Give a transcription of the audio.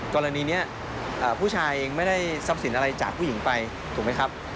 กรณีนี้ผู้ชายเองไม่ได้ทรัพย์สินอะไรจากผู้หญิงไปถูกไหมครับ